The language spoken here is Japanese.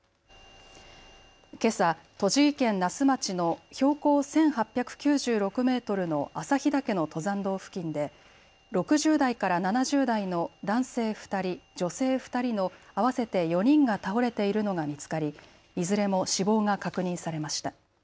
けさ、栃木県那須町の標高１８９６メートルの朝日岳の登山道付近で６０代から７０代の男性２人、女性２人の合わせて４人が倒れているのが見つかりいずれも死亡が確認されました。